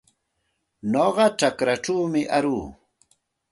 Nuqa chakraćhawmi aruu.